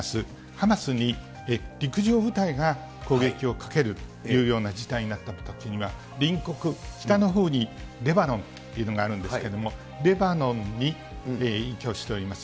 ハマスに陸上部隊が攻撃をかけるというような事態になったときには、隣国、北のほうにレバノンというのがあるんですけれども、レバノンに依拠しております